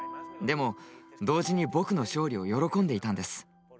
でも同時に僕の勝利を喜んでいたんです。